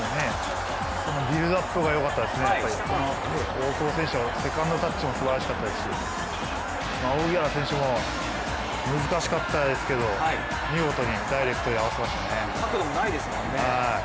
ビルドアップがよかったですね、やっぱり、大久保選手はセカンドタッチもすばらしかったですし荻原選手も難しかったですけれども、見事にダイレクトで合わせましたね。